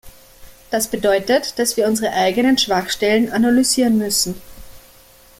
Das bedeutet, dass wir unsere eigenen Schwachstellen analysieren müssen.